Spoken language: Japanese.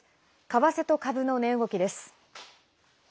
為替と株の値動きです。